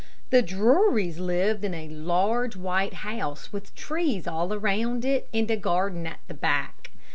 The Drurys lived in a large, white house, with trees all around it, and a garden at the back.